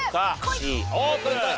Ｃオープン！